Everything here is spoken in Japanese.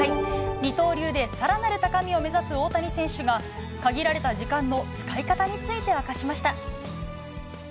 二刀流でさらなる高みを目指す大谷選手が限られた時間の使い方について明かしました。